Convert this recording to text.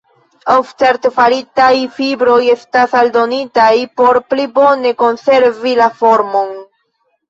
Ofte artefaritaj fibroj estas aldonitaj por pli bone konservi la formon.